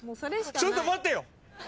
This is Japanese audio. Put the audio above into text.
ちょっと待ってよ！